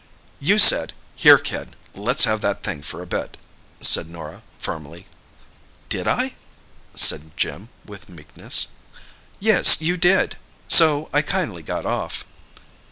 "You said, 'Here, kid, let's have that thing for a bit,'" said Norah firmly. "Did I?" said Jim, with meekness. "Yes, you did. So I kindly got off."